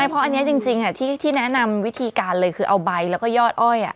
เพราะอันนี้จริงที่แนะนำวิธีการเลยคือเอาใบแล้วก็ยอดอ้อย